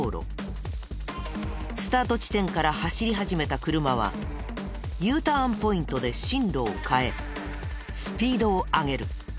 スタート地点から走り始めた車はＵターンポイントで進路を変えスピードを上げる。